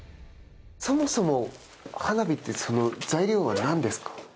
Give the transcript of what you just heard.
そもそも花火って材料はなんですか？